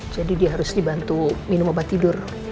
jadi dia harus dibantu minum obat tidur